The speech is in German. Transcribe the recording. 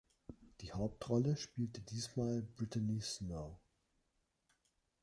Die Hauptrolle spielt diesmal Brittany Snow.